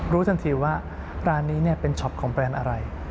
รู้ทันทีว่าร้านนี้เป็นช็อปของแบรนด์อะไร